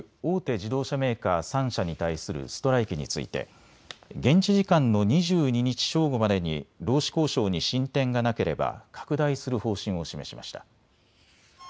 自動車メーカー３社に対するストライキについて現地時間の２２日正午までに労使交渉に進展がなければ拡大する方針を示しました。